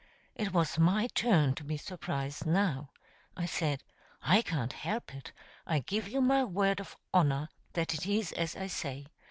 It was my turn to be surprised now. I said: "I can't help it. I give you my word of honor that it is as I say.